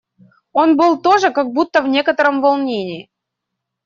Он был тоже как будто в некотором волнении.